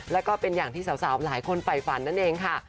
แล้วก็เป็นอย่างที่สาวหลายคนไฟฝันนั่นเองค่ะ